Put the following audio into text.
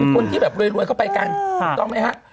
เป็นคนที่แบบรวยเข้าไปกันตอบไหมฮะ